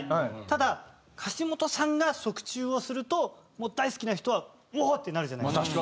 ただ橋本さんが側宙をすると大好きな人は「おおー！」ってなるじゃないですか。